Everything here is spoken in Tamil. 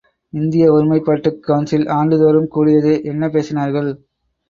இந்திய ஒருமைப்பாட்டுக் கவுன்சில் ஆண்டுதோறும் கூடியதே, என்ன பேசினார்கள்?